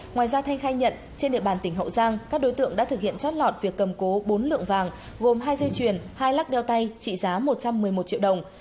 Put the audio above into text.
ngoài ra thanh khai nhận trên địa bàn tỉnh hậu giang các đối tượng đã thực hiện chót lọt việc cầm cố bốn lượng vàng gồm hai dây chuyền hai lắc đeo tay trị giá một trăm một mươi một triệu đồng